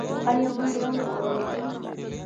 آیا موږ یو اواز یو؟